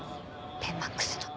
ペンマックスの。